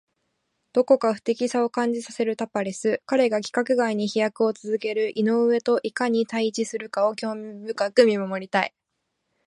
どこか不敵さを感じさせるタパレス。彼が規格外に飛躍を続ける井上といかに対峙するかを興味深く見守りたい。